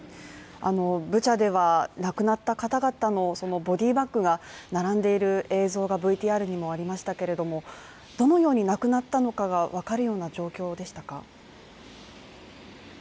ブチャでは亡くなった方々のボディーバッグが並んでいる映像がＶＴＲにもありましたけれどもどのように亡くなったのかが分かるような状況でしたか？